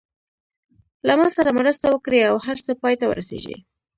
له ما سره مرسته وکړي او هر څه پای ته ورسېږي.